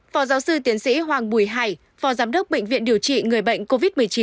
phó giáo sư tiến sĩ hoàng bùi hải phó giám đốc bệnh viện điều trị người bệnh covid một mươi chín